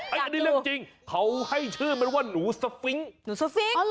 อันนี้เรื่องจริงเขาให้ชื่อมันว่าหนูสฟิงก์